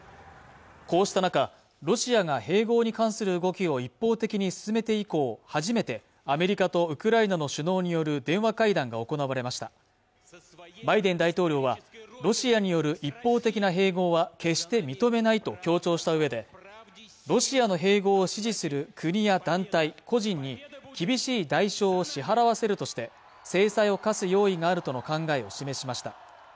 こうした中ロシアが併合に関する動きを一方的に進めて以降初めてアメリカとウクライナの首脳による電話会談が行われましたバイデン大統領はロシアによる一方的な併合は決して認めないと強調したうえでロシアの併合を支持する国や団体個人に厳しい代償を支払わせるとして制裁を科す用意があるとの考えを示しました